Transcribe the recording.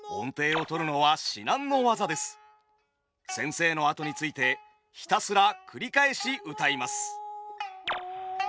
先生のあとについてひたすら繰り返しうたいます。